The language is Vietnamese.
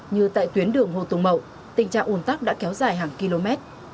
như tại tuyến đường hồ tùng mậu tình trạng ủn tắc đã kéo dài hàng km